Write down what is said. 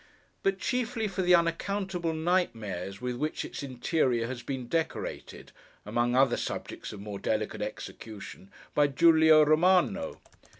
But chiefly for the unaccountable nightmares with which its interior has been decorated (among other subjects of more delicate execution), by Giulio Romano.